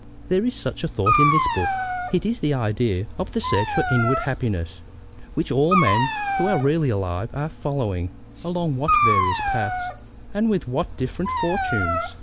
There is such a thought in this book. It is the idea of the search for inward happiness, which all men who are really alive are following, along what various paths, and with what different fortunes!